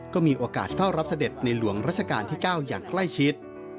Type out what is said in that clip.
ก็มีโอกาสเฝ้ารับเสด็จในหลวงรัชกาลที่๙อย่างใกล้ชิด